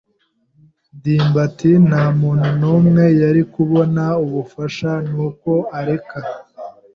ndimbati nta muntu n'umwe yari kubona ubufasha, nuko areka.